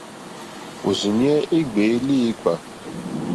Òrzìɲɛ́ í ŋɡbèé líǐpkà.